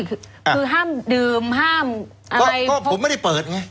คือห้ามดื่มห้ามก็ผมไม่ได้เปิดไง